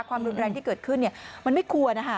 ความรุนแรงที่เกิดขึ้นมันไม่ควร